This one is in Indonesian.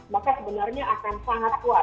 maka sebenarnya akan sangat kuat